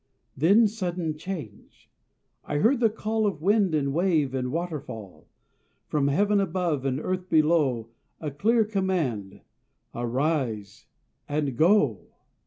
Then, sudden change! I heard the call Of wind and wave and waterfall; From heaven above and earth below A clear command "ARISE AND GO!"